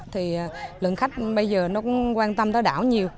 thì lượng khách bây giờ nó cũng quan tâm tới đảo nhiều